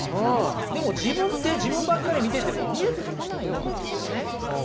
でも自分って自分ばっかり見てても見えてこないんですよね。